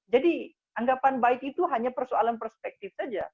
jadi anggapan baik itu hanya persoalan perspektif saja